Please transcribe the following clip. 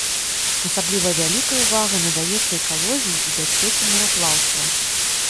Асабліва вялікая ўвага надаецца экалогіі і бяспецы мараплаўства.